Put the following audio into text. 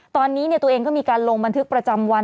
ตอนนี้ตัวเองก็มีการลงบันทึกประจำวัน